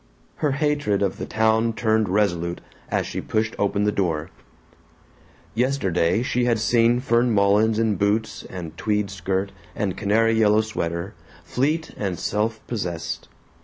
Her hatred of the town turned resolute as she pushed open the door. Yesterday she had seen Fern Mullins in boots and tweed skirt and canary yellow sweater, fleet and self possessed.